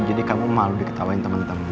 jadi kamu malu diketawain temen temen